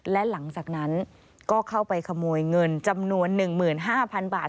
และหลังจากนั้นก็เข้าไปขโมยเงินจำนวน๑๕๐๐๐บาท